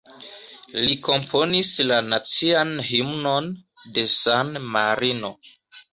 Li komponis la nacian himnon de San Marino.